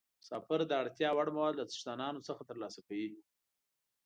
مسافر د اړتیا وړ مواد له څښتنانو څخه ترلاسه کوي.